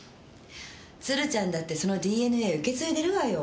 鶴ちゃんだってそのＤＮＡ受け継いでるわよ。